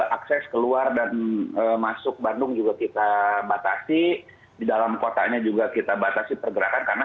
akses keluar dan masuk bandung juga kita batasi di dalam kotanya juga kita batasi pergerakan karena